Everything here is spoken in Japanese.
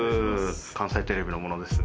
関西テレビの者です。